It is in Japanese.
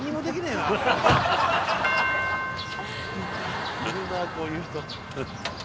いるなこういう人。